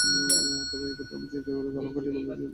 তবে একথা আমি চিৎকার করে, গলা ফাটিয়ে বলতে চাই- আমি বাংলাদেশি।